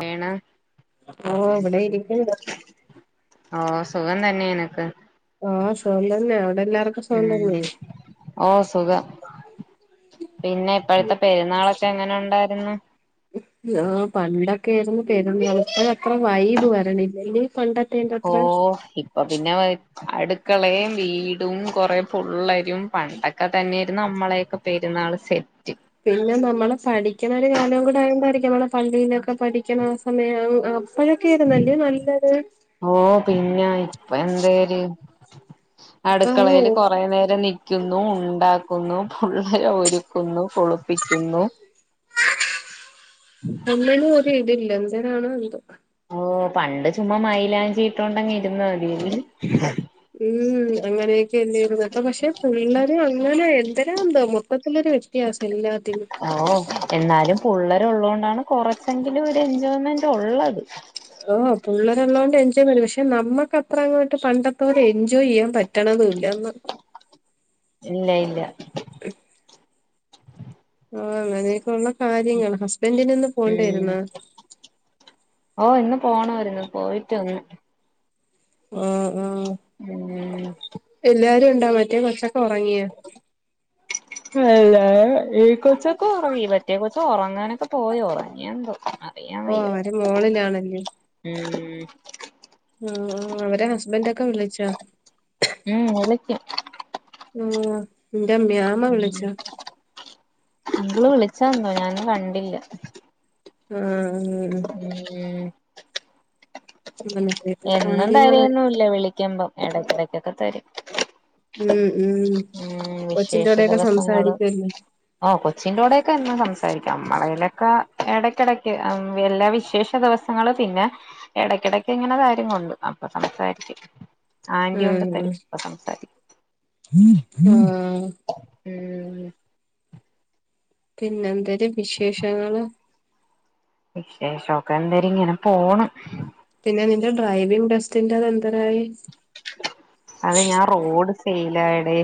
വേണ് അപ്പൊ ഇവടെ ഇരിപ്പ്ണ്ട് ഓഹ് സുഖം തന്നെ നിനക്ക് ഓഹ് സുഖം തന്നെ എല്ലാർക്കും സുഖം ഉം തന്നെ ഓഹ് സുഖം പിന്നെ ഇപ്പഴത്തെ പെരുന്നാളൊക്കെ എങ്ങനെ ഉണ്ടാരുന്നു ആഹ് പണ്ടൊക്കെയായിരുന്നു പെരുന്നാള് ഇപ്പൊ അത്ര വൈബ് വരണില്ലല്ലേ പണ്ട ഓഹ് ഇപ്പൊ പിന്നെ വൈ അടുക്കളേം വീടും കൊറെ പുള്ളെരും പണ്ടൊക്കെ തന്നെയായിരുന്നു നമ്മളെയൊക്കെ പെരുന്നാൾ സെ പിന്നെ നമ്മളെ പഠിക്ക്ണൊരു കാലവും കൂടെ ആയോണ്ടായിരിക്കും നമ്മളെ പള്ളിയിലൊക്കെ പഠിക്ക്‌ണ സമയം അപ്പഴൊക്കെ ആയിരുന്നല്ലേ നല്ലത് ഓഹ് പിന്നെ ഇപ്പൊ എന്തെര് ഇപ്പ അത് അടുക്കളേല് ഓ കൊറെ നേരം നിക്കുന്നു ഉണ്ടാക്കുന്നു പുള്ളേരെ ഒരു രുക്കുന്നു കുളിപ്പിക്കുന്നു ഒന്നിനും ഒരിതില്ല എന്തരാണോ എന്തോ ഓഹ് പണ്ട് ചുമ്മാ മൈലാഞ്ചീട്ടോണ്ടങ്ങി ഇരുന്ന മതിയേര്ന്ന് ഉം അങ്ങനെയൊക്കെല്ലേര്ന്നാ ഇപ്പ പക്ഷെ പുള്ളര് അങ്ങനെ എന്തരാന്തോ മൊത്തത്തിലൊരു വെത്യാ ത്യാസം എല്ലാത്തിനും ഓഹ് എന്നാലും പുള്ളൊരുള്ളോണ്ടാണ് കൊറച്ചെങ്കിലും ഒരു എൻജോയ്മെന്റ് ഒള്ളത് ഓഹ് പുള്ളേരെള്ളോണ്ട് എൻജോയ് വരും പക്ഷെ നമ്മക്കത്രങ്ങോട്ട് പണ്ടത്തോലെ എൻജോയ് ചെയ്യാൻ പറ്റ് പറ്റണതൂല്ല ഒന്നും ഇല്ല ഇല്ല ആഹ് അങ്ങനെക്കൊള്ള കാര്യങ്ങൾ ഹസ്ബന്റിന് ഇന്ന് പോണ്ടേരുന്ന ഓഹ് ഇന്ന് പോണോര്ന്നു പോയിട്ട് വന്ന് ഒഹ് ഓഹ് ഉം എല്ലാരുംണ്ടാ മറ്റേ കൊച്ചൊക്കെ ഒറങ്ങിയാ എല്ല ഈഹ് കൊച്ചൊക്കെ ഒറങ്ങി മറ്റേ കൊച്ച് ഒറങ്ങാനൊക്കെ പോയി ഉറങ്ങിയെന്തോ ഓഹ് അവര് മോളിലാണല്ലേ ഉം ആഹ് അവരെ ഹസ്ബന്റ് ഒക്കെ വിളിച്ചൊ ഉം ഓലൊക്ക ഉം ഇന്റെ ഉമ്മ്യ നിങ്ങള് വിളിച്ചാന്നോ ഞാനും കണ്ടില്ല ആഹ് അങ്ങനെ ഉം അങ്ങനത്തെയൊക്കെ എന്നും കാര്യങ്ങള് തരെന്നും ഇല്ല വിളിക്കുമ്പം ഇടക്കിടക്കൊക്കെ തരും ഉം ഉം ഉം വിശേഷ കൊച്ചിന്റോടെയൊക്കെ ദിവസങ്ങള് സംസാരിക്കുവല്ലേ ആഹ് കൊച്ചിന്റോടെക്കെ എന്നും സംസാരിക്കും നമ്മളെലൊക്കെ ഇടക്കിടക്ക് എല്ലാ വിശേഷ ദിവസ ങ്ങള്പിന്നെ ഇടക്കിടക്ക് ഇങ്ങനെ തരും കൊണ്ട് അപ്പൊ സംസാരിക്കും ഉം തരും ഉം ആഹ് ഉം പിന്നെന്തര് വിശേഷങ്ങള്? വിശേഷോക്കെ എന്തര്, ഇങ്ങനെ പോണ്. പിന്നെ നിന്റെ ഡ്രൈവിംഗ് ടെസ്റ്റിന്റെതെന്തരായി? അത് ഞാൻ റോഡ് ഫെയിലായടെ.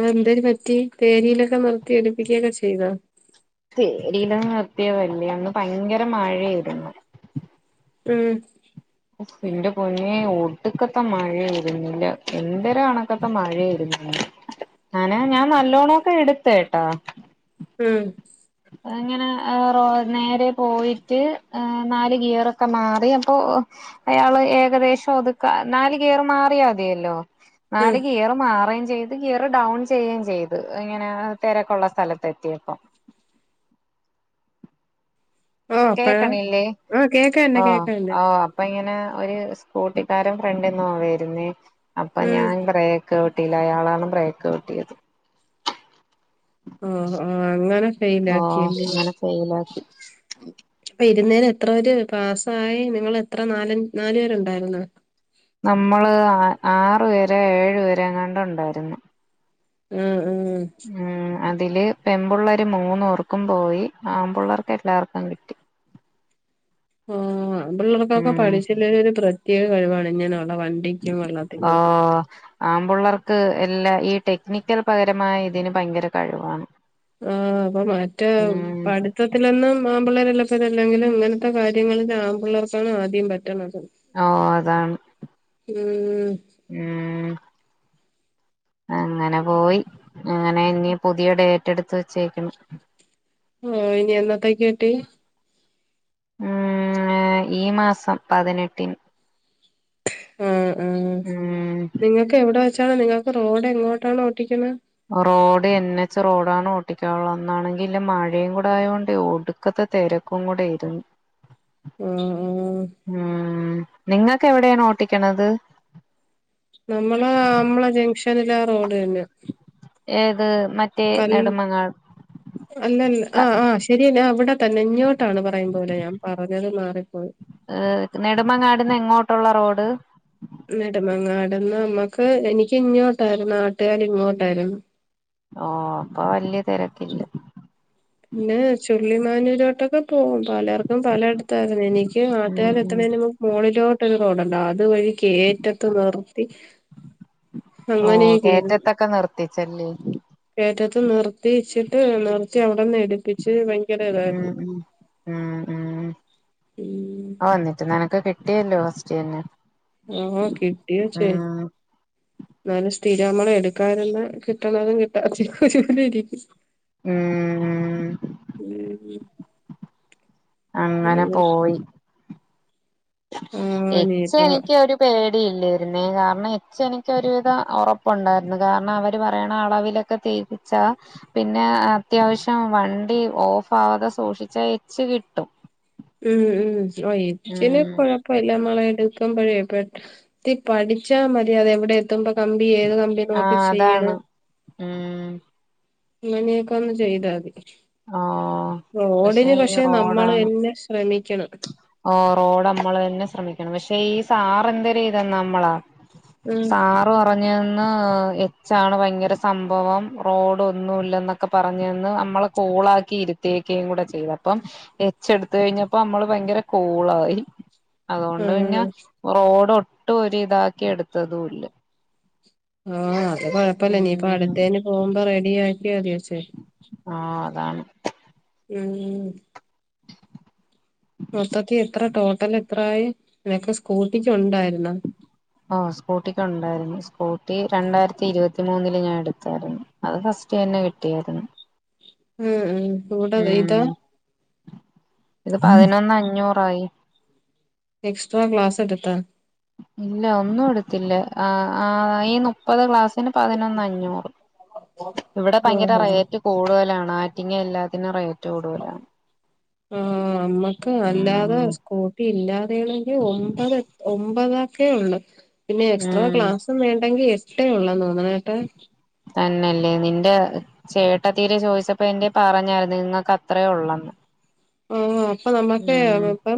ആത് എന്തര് പറ്റി, പേരിയിലൊക്കെ നിർത്തി എടുപ്പിക്കേക്ക ചെയ്താ? പേരിയില് നിർത്തിയതല്ലേ, അന്ന് ഭയങ്കര മഴയായിര്ന്ന്. ഉം എന്റെ പൊന്നേ ഒടുക്കത്തെ മഴ ആരുന്നില്ലെ, എന്തര് കണക്കത്തെ മഴ ആയിരുന്നില്ലെ ഞാന് ഞാൻ നല്ലോണോക്കെ എടുത്ത് കേട്ടാ. ഉം അങ്ങനേ റോ നേരേ പോയിട്ട് നാല് ഗിയറൊക്കെ മാറി അപ്പോ, അയാള് ഏകദേശം ഒതുക്കാ, നാല് ഗിയറ് മാറിയാ മതിയല്ലോ ഉം നാല് ഗിയറ് മാറേം ചെയ് ത് ഗിയർ ഡൗൺ ചെയ്യേം ചെയ്ത്, ഇങ്ങനെ തെരക്കൊള്ള സ്ഥലത്തെത്തിയപ്പം. ഓ അപ്പഴാ കേക്കണില്ലേ. ആ കേക്കാണ്ട് ആഹ് കേക്കാണ്ട് ആഹ് അപ്പ ഇങ്ങനെ ഒരു സ്കൂട്ടിക്കാരൻ ഫ്രണ്ടിന്നാ വരുന്നേ, അപ്പ ഉം ഞാൻ ബ്രേ ക്ക് ചവിട്ടിയില്ല. അയാളാണ് ബ്രേക്ക് ചവിട്ടിയത്. ഉം ഉം അങ്ങനെ ഓഹ് ഫൈലാക്കിയല്ലെ അങ്ങനെ ഫെയിൽ ആക്കി അപ്പൊ ഇരുന്നേല് എത്ര പേര് പാസായി? നിങ്ങള് എത്ര നാല് നാല് പേരുണ്ടായിരുന്നാ? നമ്മള് ആറുപേരാ ഏഴുപേരാ എങ്ങാണ്ട് ഒണ്ടായിരുന്ന്. ഉം ഉം ഉം അതില് പെമ്പിള്ളേര് മൂന്ന് പേർക്കും പോയി. ആമ്പിള്ളേർക്ക് എല്ലാർക്കും കിട്ടി. ആഹ് ആമ്പിള്ളേർക്കൊക്കെ ഉം പഠിച്ചില്ലേലും ഒരു പ്രത്യേക കഴിവാണ് ഇങ്ങനൊള്ള വ ആഹ് ആമ്പുള്ളാർക്ക് എല്ലാ ഈ ടെക്നിക്കൽ പകരമായ ഇതിന് ഭയങ്കര കഴിവാണ്. ആഹ് അപ്പൊ മാറ്റേ ഉം പട് ത്തത്തിലൊന്നും ആമ്പിള്ളേര് എല്ലപ്പോര അല്ലെങ്കിലും ഇങ്ങനത്തെ കാര്യങ്ങളിൽ ആമ്പിള്ളേർക്കാണ് ആദ്യം പറ്റണത്. ഓഹ് അതാണ്. ഉം ഉം അങ്ങനെ പോയി. അങ്ങനെ ഇനി പുതിയ ഡേറ്റ് എടുത്ത് വെച്ചേക്കണ്. ഓഹ് ഇനി എന്നത്തേക്ക് കിട്ടി? ആഹ് ഈ മാസം പതിനെട്ടിന്. ആഹ് ആഹ് ഉം നിങ്ങക്ക് എവിടെ വെച്ചാണ്? നിങ്ങക്ക് റോഡ് എങ്ങോട്ടാണ് ഓട്ടിക്കണെ? റോഡ് എൻ എച്ച് റോഡാണ്, ഓട്ടിക്കാനുള്ളന്നാണെങ്കി ഇല്ലേ മഴയും കൂടെ ആയ കൊണ്ടെ ഒടു ക്കത്തെ തെരക്കും കൂടെ ആയിരുന്നു. ഉം ഉം ഉം നിങ്ങക്ക് എവിടെയാണ് ഓട്ടിക്കണത്? നമ്മളേ നമ്മളെ ജംഗ്ഷനിലെ ആ റോഡ് തന്നെ ഏത് മറ്റേ നെടുമങ്ങാ ഉ [unintelligible] അല്ലല്ല ആഹ് ആഹ് ശരിയാ ഞാൻ അവിടെത്തന്നെ ഇങ്ങോട്ടാണ് പറയും പോലെ ഞാൻ പറഞ്ഞത് മാറിപ്പോയി. ഏഹ് നെടുമങ്ങാടന്ന് എങ്ങോട്ടുള്ള റോഡ്? നെടുമങ്ങാടന്ന് നമ്മക്ക് എനിക്ക് ഇങ്ങോട്ടായിരുന്നു. ആറ്റുകാൽ ഇങ്ങോട്ടായിരുന്നു. ഓ അപ്പൊ വല്യ തെരക്കില്ല. പിന്നെ ചുള്ളിമാനൂരോട്ടൊക്കെ പോകും. പലർക്കും പലയിടത്തായിരുന്നു. എനി ക്ക് ഉം ആറ്റുകാൽ ഉം എത്തണതിനു മുമ്പ് മോളിലോട്ട് ഒരു റോഡുണ്ട്. അത് വഴി കേറ്റത്ത് നിർത്തി, അങ്ങനേക്കെയായിരുന്നു. ച്ചല്ലേ കേറ്റത്ത് നിർത്തി വച്ചിട്ട് നിർത്തി അവിടെന്ന് എടുപ്പിച്ച് ഉം ഇതായിരുന്നു ഉം ആഹ് ആഹ് ഉം ഓ എന്നിട്ട് നിനക്ക് കിട്ടിയല്ലോ ഫസ്റ്റ് തന്നെ. ആഹ് കിട്ടി കൊച്ചേ. ഉം എന്നാലും സ്ഥിരം നമ്മള് എടുക്കാന് ഒന്ന് കിട്ടുന്നതും കിട്ടാ. [unintelligible] ഉം ഉം അങ്ങനെ പോയി. ആഹ് എച്ച് ഇനിയിപ്പം എനിക്ക് ഒരു. പേടിയില്ലായിരുന്നേ, കാരണം എച്ച് എനിക്ക് ഒരുവിധം ഉറപ്പുണ്ടായിരുന്നു, കാരണം അവർ പറയണ അളവില്. ഒക്കെ തേപ്പിച്ചാൽ. പിന്നെ അത്യാവശ്യം വണ്ടി ഓഫ് ആവാതെ സൂക്ഷിച്ചാൽ എച്ച് കിട്ടും. ഉം ഉം ഓ എച്ചിന് ഉം കൊഴ പ്പമില്ല നമ്മള് എടുക്കുമ്പോഴേ പെ ഇത് പഠിച്ചാൽ മതി അത് എവിടെ. എത്തുമ്പോ കമ്പി ഏത് കമ്പി നോക്കി ആഹ് അതാണ് ചെയ്യണം. ഉം അങ്ങനെയൊക്കെ ഒന്ന് ചെയ്താൽ മതി. ഓഹ് റോഡിന് ഈ പക്ഷെ നമ്മള് റോഡാണ് തന്നെ ശ്രമിക്കണം. ഓ റോഡ് നമ്മള് തന്നെ ശ്രമിക്കണം, പക്ഷെ ഈ സാറ് എന്തര് ചെയ്തെന്നോ നമ്മളാ. ഉം സാർ സാർ പറഞ്ഞു എന്ന് എച്ച് ആണ് ഭയങ്കര സംഭവം റോഡ് ഒന്നുല്ലാന്ന് എന്നൊക്കെ പറഞ്ഞു എന്ന് നമ്മള്. കൂൾ ആക്കി ഇരുത്തിയേക്കും കൂടെ ചെയ്തപ്പോൾ അപ്പം എച്ച് എടുത്ത് കഴിഞ്ഞപ്പോ നമ്മള് ഭയങ്കര. കൂളായി അതുകൊണ്ട് പിന്നെ. ആഹ് റോഡ് ഒട്ടും ഒരു ഇതാക്കി എടുത്തതും ഇല്ല. ആഹ് അത് കൊഴപ്പില്ല ഇനി ഉം അടുത്തേന് പോകുമ്പോ റെഡിയാക്കി മതി എച്ച്. ആഹ് അതാണ്. ഉം മൊത്തത്തിൽ എത്ര ടോട്ടൽ എത്രായി ഇതൊക്കെ സ്കൂട്ടിക്ക് ഉണ്ടായിരുന്നു. ഓ സ്കൂട്ടിക്ക് ഉണ്ടായിരുന്നു, സ്കൂട്ടി രണ്ടായിരത്തി ഇരുപത്തി മൂന്നില് ഞാൻ എടുത്തായിരുന്നു. അത് ഫസ്റ്റ് തന്നെ കിട്ടിയായിരുന്നു. ഉം ഉം ഇപ്പോ ഇവിടെ ഇതാ. ഉം ഇത് പതിനൊന്ന് അഞ്ഞൂറായി. എക്സ്ട്രാ ക്ലാസ് എടുത്തോ? ഇല്ല ഒന്നും എടുത്തില്ല ആഹ് ആഹ് ഈ മു മുപ്പത് ക്ലാസിന് പതിനൊന്ന് അഞ്ഞൂറ്, ഇവിടെ ഭയങ്കര ഓഹോ റേറ്റ്. കൂടുതലാണ് ആറ്റിങ്ങ എല്ലാത്തിനും റേറ്റ്. കൂടുതലാണ് ഉം നമുക്ക്‌ അല്ലാതെ. ഉം കൂട്ടി ഇല്ലാതെയാണെങ്കിൽ ഒമ്പത് ഒമ്പത് ഒക്കെയുള്ള പിന്നെ എക്സ്ട്രാ ഉം ക്ലാസും. ഇതും വേണ്ടെങ്കിൽ എട്ടേ ഉള്ളന്ന് തോന്നുന്ന കേട്ടോ. തന്നെയല്ലേ നിന്റെ. ചേട്ടത്തിടെ ചോദിച്ചപ്പോ എന്തേ പറഞ്ഞായിരുന്നു നിങ്ങൾക്ക് അത്രയുള്ളന്ന്. ഉം അപ്പ നമുക്കെ അവർക്ക്.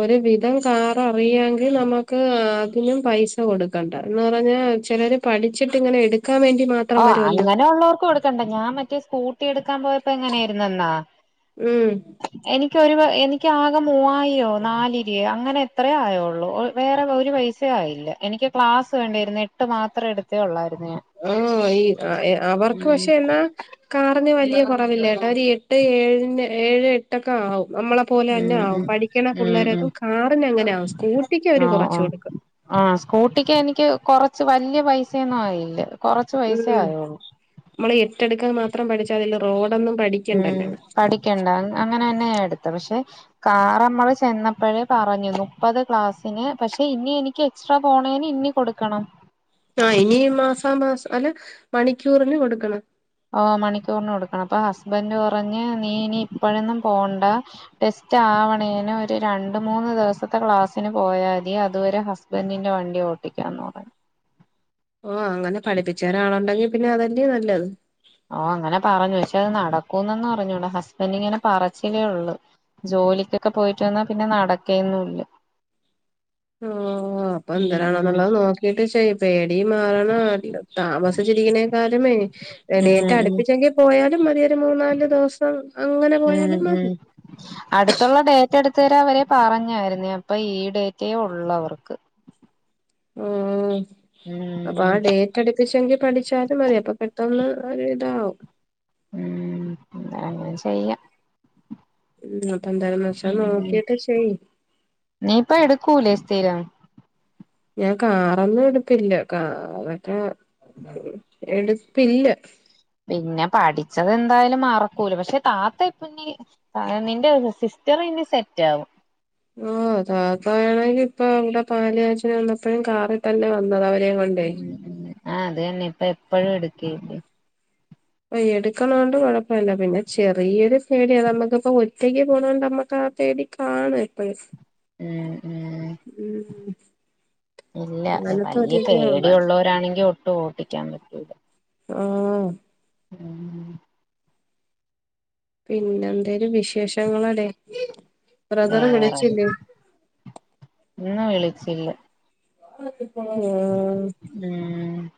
ഒരുവിധം കാറ് അറിയെങ്കിൽ നമുക്ക് ആഹ് അതിനും പൈസ കൊടു ക്കേണ്ട എന്നുപറഞ്ഞാൽ ചിലര് പഠിച്ചിട്ട് ഇങ്ങനെ എടുക്കാനുവേണ്ടി മാത്രം. ഓ വരുവല്ലോ അങ്ങനെയുള്ളവർക്ക് കെടുക്കേണ്ട, ഞാൻ മറ്റേ സ്കൂട്ടി എടുക്കാൻ പോയപ്പോൾ എങ്ങനെ ആയിരുന്നെന്നു. ഉം. എനിക്കൊരു പ എനിക്ക് ആകെ മുവായിരേ നാല്. [unintelligible] അങ്ങനെ എത്രയോ ആയുള്ള, വേറെ ഒരു പൈസ ആയില്ല എനിക്ക് ക്ലാസ് വേണ്ടായിരുന്നു എട്ട്. എട്ട് മാത്രം എടുത്തെ ഉള്ളായിരുന്നു ഞാൻ. ഉം ഈ ആഹ് അവർക്ക് ഉം പക്ഷെ എന്നാ. കാറിന് വെല്യ കുറവില്ലൃട്ടോ, ഒരു എട്ട് ഏഴിന് ഏഴ് എട്ട് ഒക്കെ ആവും നമ്മളെ. പോലെ തന്നെ ഉം ആവും, ഉം പഠിക്കണ് ഉം ഉം പിള്ളേരൊക്കെ കാറിന് അങ്ങനെ ആവും സ്കൂട്ടിക്ക് അവര് ആഹ് ആഹ് കുറച്ചോളൂ. ആഹ് സ്കൂട്ടിക്ക് എനിക്ക് കൊറച്ച് വലൃ പൈസയൊന്നും ആയില്ല കെറച്ച് പൈസെ ഉം ആയൊള്ളൂ. നമ്മള് എട്ടെടുക്കാൻ മാത്രം പഠിച്ചാ മതിയല്ലോ റോഡൊന്നും പഠി ഉം പഠിക്കണ്ട അങ്ങനെ തന്നെ ഞാ എടുത്തെ പക്ഷെ. കാറ് നമ്മള് ചെന്നപ്പഴേ പറഞ്ഞു മുപ്പത് ക്ലാസ്സിന് പക്ഷെ ഇനി എനിക്ക്. എക്സ്ട്രാ പോണേന് ഇന്നി കൊടുക്കെണം. ആഹ് ഇനീ മാസാ, മാസം അല്ല മണിക്കൂറിന് കൊടുക്കണം. ആഹ് മണിക്കൂറിന് കൊടുക്കണം അപ്പൊ ഹസ്ബന്റ് പറഞ്ഞ് നീ ഇനി ഇപ്പഴൊന്നും പോവണ്ടാ. ടെസ്റ്റ് ആവണേന് ഒരു രണ്ട് മൂന്ന് ദിവസത്തെ ക്ലാസ്സിന് പോയാ മതി അത് വരെ ഹസ് ബന്റിൻ്റെ വണ്ടി ഓട്ടിക്കാന്ന് പറഞ്ഞ്. ഓഹ് അങ്ങനെ പഠിപ്പിച്ചെരാനാളുണ്ടെങ്കിൽ പിന്നെ അതല്ലേ നല്ലത്. ഓഹ് അങ്ങനെ പറഞ്ഞു പക്ഷെ അത് നടക്കൂന്നെന്ന് അറിഞ്ഞൂട ഹസ്ബൻ്റ് ഇങ്ങനെ പറച്ചിലെ ഉള്ളു. ജോലിക്കൊക്കെ പോയിട്ട് വന്നാ പിന്നെ നടക്കെയെന്നുല്ല. ഓഹ് ഉം അപ്പെന്തിരാണന്നുള്ളത് നോക്കീട്ട് ചെയ്. പേടി മാറണം താമസിച്ചിരിക്കണെക്കാലുമേ ഉം ഉം ഡേറ്റടുപ്പിച്ചെങ്കി പോയാലും മതി ഒരു മൂന്നാല് ദൂസം അങ്ങനെ ഉം പോയാലും മതി. ഡേറ്റെടുത്തെരാ വരെ പറഞ്ഞായിരുന്നെ അപ്പൊ ഈ ഡേറ്റെ ഉള്ളൂ അവർക്ക്. ഉം അപ്പൊ ഉം ആഹ് ഡേ പഠിപ്പിച്ചെങ്കി പഠിച്ചാലും മതി അപ്പൊ പെട്ടെന്ന് ഒര്താവും. ഉം അങ്ങനെ ചെയ്യാം. അപ്പന്തായാലും മഷെ ഉം നേക്കീട്ട് ചെയ്യ്. നീ ഇപ്പ എടുക്കൂലെ സ്ഥിരം. ഞാൻ കാറൊന്നും എടുപ്പില്ല കാറൊക്കെ എടുപ്പില്ല. പിന്നെ പഠിച്ചെതെന്തായാലും മറക്കൂലാ പക്ഷെ താത്ത എപ്പം നീ. നിന്റെ സിസ്റ്ററിനി സെറ്റാവും. ഓഹ് താത്താണെങ്കി ഇപ്പേ എൻ്റെ പാല് കാച്ചലിന് വന്നപ്പഴും കാറീ തന്നെ വന്നത് അവരെയും കൊണ്ട്. ആഹ് അതെന്നെ ഇപ്പ എപ്പഴും എടുക്ക് യേക്കും. എടുക്കണോണ്ട് കുഴപ്പല്ല പിന്നെ ചെറിയൊരു പേടി അത് നമ്മക്കിപ്പം ഒറ്റെക്ക് പോണോണ്ട് നമ്മക്കാ പേടി. കാണും ഈ പൈസ്. ഉം ഉം. ഉം ഉം. ഇല്ല അങ്ങനത്തെ വലൃ ഒരിതേ ഉള്ളൂ പേടിയുള്ള വരാണെങ്കിൽ ഒട്ടും ഓട്ടിക്കാൻ പറ്റൂല. ആഹ്. ഉം [unintelligible] പിന്നെ എന്തെലും വിശേഷങ്ങളടെ. ബ്രദറ് വേറെന്നാ വിളിച്ചില്ലേ ഇന്ന് വിളിച്ചില്ല. [unintelligible] ഉം.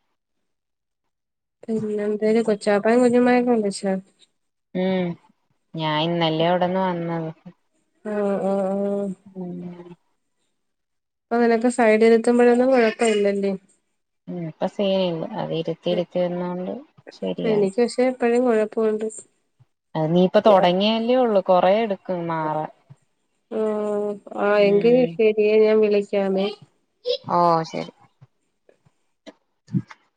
പിന്നെന്തേര് കൊച്ചാപ്പേ കുഞ്ഞുമ്മയും ഒക്കെ വിളിച്ചോ? ഉം ഞാൻ ഇന്ന് അല്ലെ അവിടന്ന് വന്നത്. ഉം ഉം. ഉം ന. ഇപ്പ നിനക്ക് സൈഡിൽ എത്തുമ്പോഴൊന്നും കുഴപ്പം ഇല്ല അല്ലേ. ഉം ഇപ്പ സീനില്ല അത് ഇരുത്തിയിരുത്തി വരുന്നോണ്ട് ശരിയായി. എപ്പോഴും കുഴപ്പമുണ്ട് സ്. നീ ഇപ്പ തുടങ്ങിയല്ലേ ഉള്ളൂ കൊറെ എടുക്കും മാറാൻ. ആഹ് ആഹ് എങ്കിൽ ഉം ശെരിയേ ഞാൻ വിളിക്കാമേ. ഓഹ് ശരി. ഹു ച്